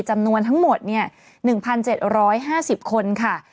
จำนวนทั้งหมด๑๗๕๐คนค่ะ